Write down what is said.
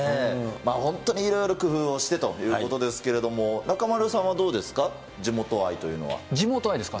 本当にいろいろ、工夫をしてということですけれども、中丸さんはどうですか、地元愛というのは。地元愛ですか。